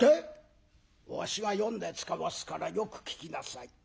「わしが読んでつかわすからよく聞きなさい」。